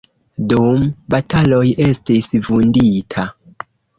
Dum bataloj estis vundita.